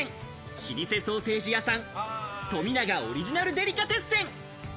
老舗ソーセージ屋さん、冨永オリジナルデリカテッセン。